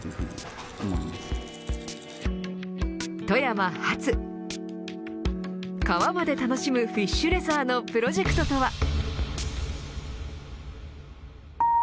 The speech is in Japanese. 富山発皮まで楽しむフィッシュレザーのプロジェクトとは。